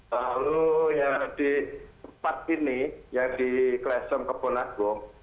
lalu yang di tempat ini yang di klesum kepo nagu